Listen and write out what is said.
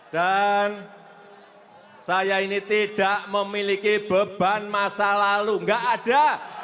dan saya ini tidak memiliki beban masa lalu enggak ada